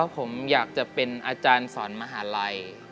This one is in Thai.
ผมอยากจะเป็นอาจารย์สอนมหาลัย